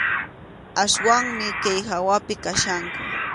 Aswanmi kay hawapi kachkanku.